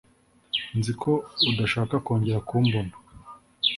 Nzi ko udashaka kongera kumbona